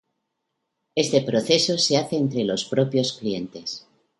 Este proceso se hace entre los propios clientes.